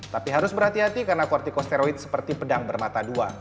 tapi harus berhati hati karena kortiko steroid seperti pedang bermata dua